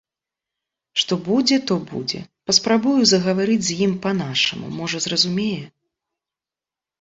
Што будзе, то будзе, папрабую загаварыць з ім па-нашаму, можа, зразумее.